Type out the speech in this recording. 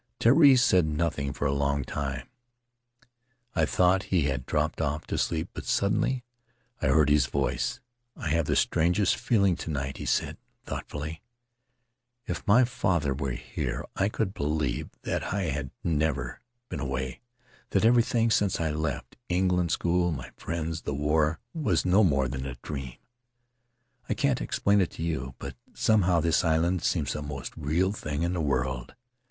Terii said nothing for a long time; I thought he had dropped off to sleep, but suddenly I heard his voice: 'I have the strangest feeling to night,' he said, thoughtfully; 'if my father were here I could believe that I had never been away, that everything since I left — England, school, my friends, the war — was no more than a dream. I can't explain to you, but somehow this island seems the most real thing in the world.